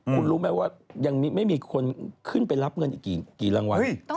คุณรู้ไหมว่ายังไม่มีคนขึ้นไปรับเงินอีกกี่รางวัล